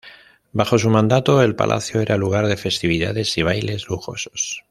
Bajo su mandato, el palacio era lugar de festividades y bailes lujosos.